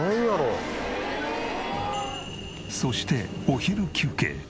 そしてお昼休憩。